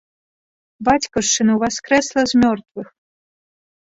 Бацькаўшчына ўваскрэсла з мёртвых!